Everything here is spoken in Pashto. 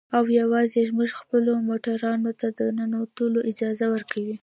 او يوازې زموږ خپلو موټرانو ته د ننوتو اجازه ورکوي.